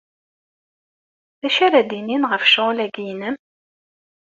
D acu ara d-inin ɣef ccɣel-agi-inem?